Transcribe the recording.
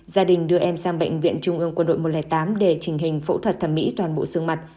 gia đình đưa em sang bệnh viện trung ương quân đội một trăm linh tám để trình hình phẫu thuật thẩm mỹ toàn bộ xương mặt